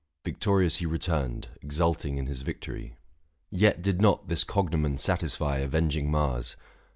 Victorious he Returned, exulting in his victory. Yet did not this cognomen satisfy Avenging Mars.